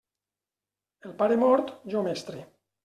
El pare mort, jo mestre.